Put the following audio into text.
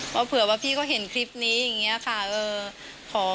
เพราะเผื่อว่าพี่ก็เห็นคลิปนี้อย่างนี้ค่ะ